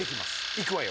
いくわよ。